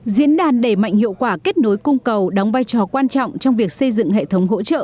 diễn đàn đẩy mạnh hiệu quả kết nối cung cầu đóng vai trò quan trọng trong việc xây dựng hệ thống hỗ trợ